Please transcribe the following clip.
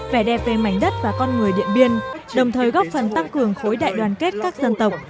vẻ đẹp về mảnh đất và con người điện biên đồng thời góp phần tăng cường khối đại đoàn kết các dân tộc